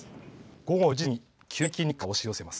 午後４時過ぎ急激に雲が押し寄せます。